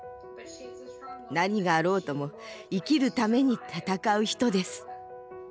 何があろうとも生きるために闘う人です。